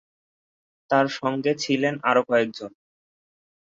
তার সঙ্গে ছিলেন আরও কয়েকজন।